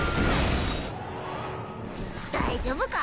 大丈夫か？